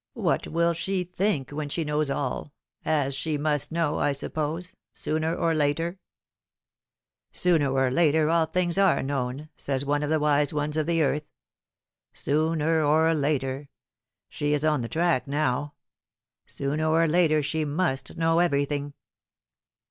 " What will she think when she knows all as she must know, I suppose, sooner or later ? Sooner or later all things are known, says one of the wise ones of the earth. Sooner or later ! She is on the track now. Sooner or later she must know everything."